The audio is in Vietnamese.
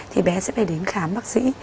thì bé sẽ phải đến khám bác sĩ